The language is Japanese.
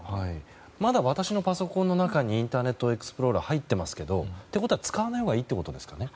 まだ私のパソコンの中にインターネットエクスプローラー入っていますけどということは使わないほうがいいということですかね。